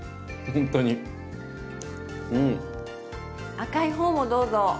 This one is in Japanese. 赤い方もどうぞ！